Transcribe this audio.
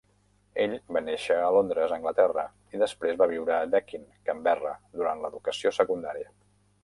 Ell va néixer a Londres, Anglaterra, i després va viure a Deakin, Canberra, durant l"educació secundària.